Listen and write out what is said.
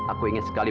aku ingin sekali